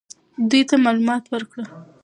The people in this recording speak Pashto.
دوی ته معلومات ورکړه.